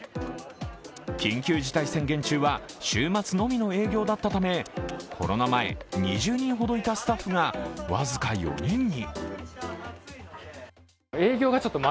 緊急事態宣言中は週末のみの営業だったためコロナ前、２０人ほどいたスタッフか僅か４人に。